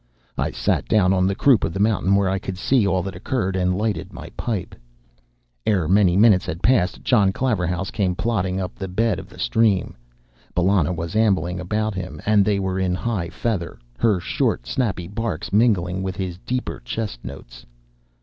I sat down on the croup of the mountain, where I could see all that occurred, and lighted my pipe. Ere many minutes had passed, John Claverhouse came plodding up the bed of the stream. Bellona was ambling about him, and they were in high feather, her short, snappy barks mingling with his deeper chest notes.